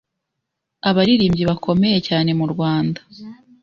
abaririmbyi bakomeye cyane mu Rwanda